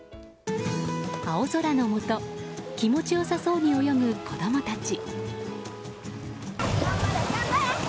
青空のもと気持ち良さそうに泳ぐ子供たち。